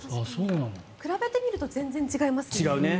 比べてみると全然違いますね。